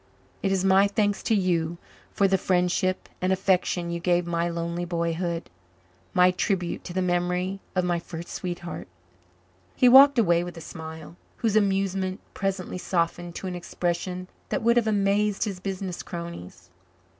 It is my thanks to you for the friendship and affection you gave my lonely boyhood my tribute to the memory of my first sweetheart." He walked away with a smile, whose amusement presently softened to an expression that would have amazed his business cronies.